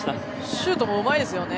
シュートもうまいですよね。